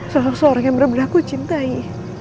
sosok seorang yang benar benar aku cintai